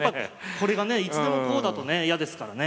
これがねいつでもこうだとね嫌ですからね。